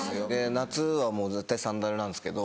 夏は絶対サンダルなんですけど。